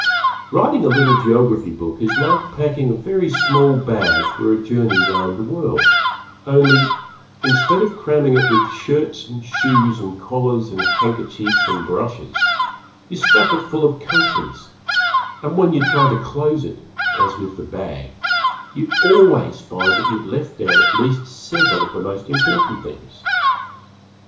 Writing a little Geography Book is like packing a very small bag for a journey round the world, only instead of cramming it with shirts and shoes and collars and handkerchiefs and brushes, you stuff it full of countries, and when you try to close it (as with the bag) you always find that you have left out at least several of the most important things.